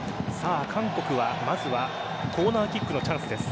韓国はまずはコーナーキックのチャンスです。